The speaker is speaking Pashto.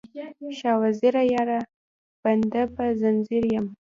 شاه وزیره یاره، بنده په ځنځیر یم